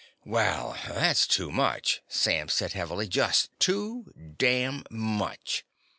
"Well, that's too much," Sam said heavily. "Just too damn much."